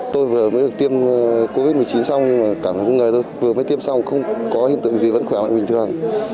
tôi vừa mới được tiêm covid một mươi chín xong cảm thấy vừa mới tiêm xong không có hiện tượng gì vẫn khỏe mạnh bình thường